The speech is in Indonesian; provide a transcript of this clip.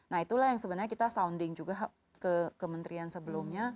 nah itulah yang sebenarnya kita sounding juga ke kementerian sebelumnya